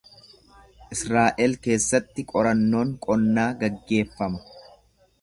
Israa’el keessatti qorannoon qonnaa gaggeeffama.